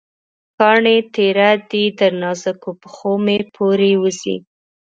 کاڼې تېره دي، تر نازکو پښومې پورې وځي